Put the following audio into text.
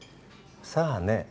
さあね。